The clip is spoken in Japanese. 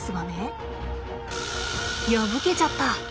破けちゃった。